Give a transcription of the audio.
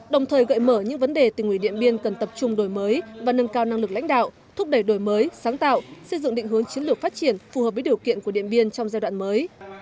đồng thời gợi mở những vấn đề tỉnh ủy điện biên cần tập trung đổi mới và nâng cao năng lực lãnh đạo thúc đẩy đổi mới sáng tạo xây dựng định hướng chiến lược phát triển phù hợp với điều kiện của điện biên trong giai đoạn mới